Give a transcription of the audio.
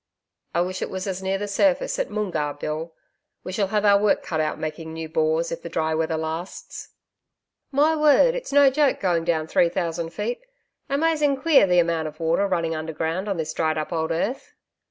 'I wish it was as near the surface at Moongarr, Bill. We shall have our work cut out making new bores, if the dry weather lasts.' 'My word, it's no joke going down three thousand feet. Amazing queer the amount of water running underground on this dried up old earth.'